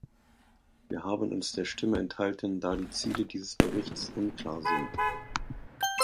Wir haben uns der Stimme enthalten, da die Ziele dieses Berichts unklar sind.